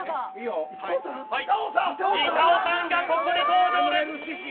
板尾さんがここで登場です。